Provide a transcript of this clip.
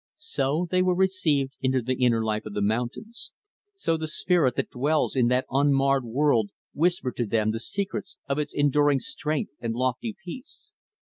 So they were received into the inner life of the mountains; so the spirit that dwells in that unmarred world whispered to them the secrets of its enduring strength and lofty peace.